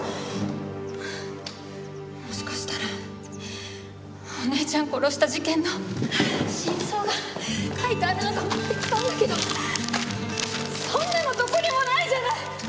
もしかしたらお姉ちゃん殺した事件の真相が書いてあるのかもって来たんだけどそんなのどこにもないじゃない！